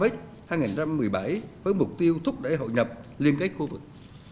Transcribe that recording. với mục tiêu thúc đẩy hội nhập liên kết khu vực